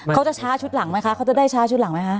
เขาจะช้าชุดหลังไหมคะเขาจะได้ช้าชุดหลังไหมคะ